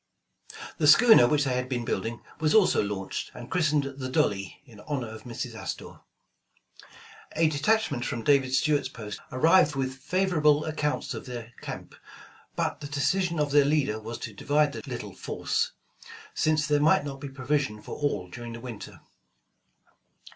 The schooner which they had been building, was also launched and christened ''Th e Dolly," in honor of Mrs. Astor. A detachment from David Stuart's post arrived with 171 The Original John Jacob Astor favorable accounts of their camp, but the decision of their leader was to divide the little force, since thera might not be provision for all during the winter.